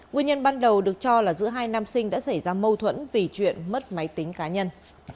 nguyên nhân ban đầu được cho là giữa hai nam sinh đã xảy ra mâu thuẫn vì chuyện mất máy tính cá nhân